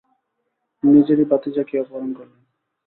নিজেরই ভাতিজাকেই অপহরণ করলেন।